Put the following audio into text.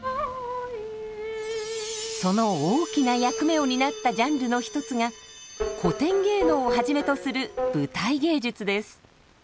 その大きな役目を担ったジャンルの一つが古典芸能をはじめとする舞台芸術です。